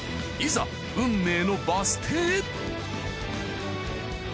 いざ運命のバス停へ！